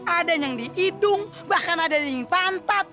ada yang di hidung bahkan ada yang di pantat